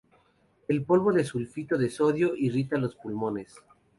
El polvo del sulfito de sodio irrita los pulmones.